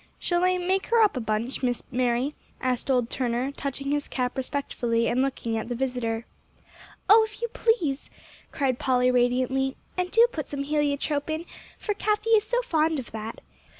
"Shall I make her up a bunch, Miss Mary?" asked old Turner, touching his cap respectfully, and looking at the visitor. "Oh, if you please," cried Polly radiantly; "and do put some heliotrope in, for Cathie is so fond of that.